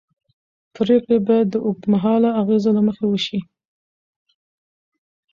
پرېکړې باید د اوږدمهاله اغېزو له مخې وشي